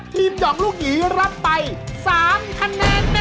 ทีมหยอดลูกหยี่ครับไป๓คันน้านแน่